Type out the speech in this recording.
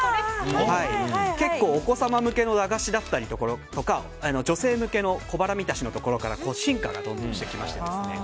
結構、お子様向けの駄菓子だったり女性向けの小腹満たしのところから進化をしてきまして。